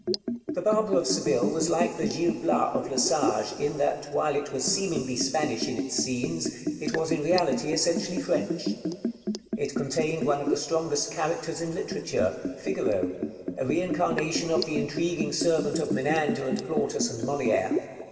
'The Barber of Seville' was like the 'Gil Blas' of Lesage in that, while it was seemingly Spanish in its scenes, it was in reality essentially French. It contained one of the strongest characters in literature, Figaro, a reincarnation of the intriguing servant of Menander and Plautus and Molière.